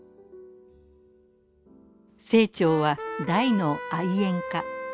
清張は大の愛煙家。